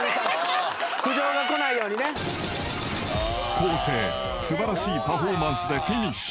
［昴生素晴らしいパフォーマンスでフィニッシュ］